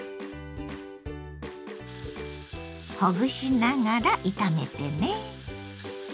ほぐしながら炒めてね。